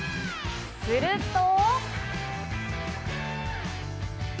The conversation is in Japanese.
すると。